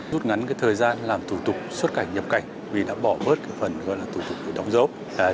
rút ngắn thời gian làm thủ tục xuất cảnh nhập cảnh vì đã bỏ bớt cái phần gọi là thủ tục để đóng dấu